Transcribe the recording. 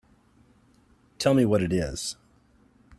Tell me what it is.